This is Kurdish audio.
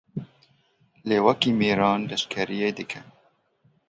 Lê wekî mêran leşkeriyê dike.